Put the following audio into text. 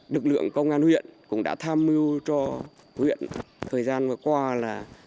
lực lượng công an huyện cũng đã tham mưu cho huyện thời gian vừa qua là